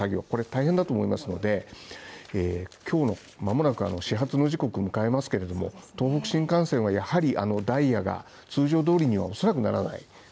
これ大変だと思いますので、今日のまもなく始発の時刻を迎えますけれども、東北新幹線はやはりダイヤが通常通りにはおそらくならない。